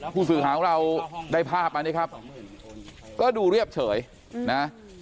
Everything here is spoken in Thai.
ผู้สื่อข่าวของเราได้ภาพมานี่ครับก็ดูเรียบเฉยนะ